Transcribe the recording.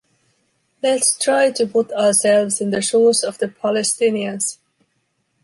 Let's try to put ourselves in the shoes of the Palestinians.